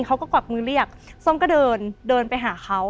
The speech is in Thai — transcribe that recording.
เขาก็กวับมือเรียกส้มกระเดินเดินไปหาเขา